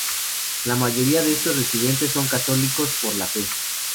La mayoría de estos residentes son católicos por la fe.